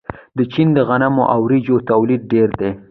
د چین د غنمو او وریجو تولید ډیر دی.